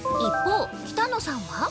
一方、北乃さんは？